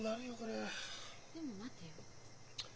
でも待てよ。